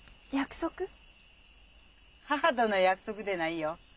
母との約束でないよ。